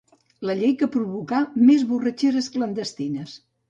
La llei que provocà més borratxeres clandestines.